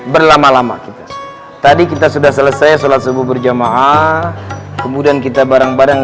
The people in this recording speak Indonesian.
berlama lama kita tadi kita sudah selesai sholat subuh berjamaah kemudian kita bareng bareng